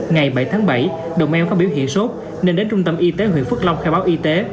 ngày bảy tháng bảy đồng em có biểu hiện sốt nên đến trung tâm y tế huyện phước long khai báo y tế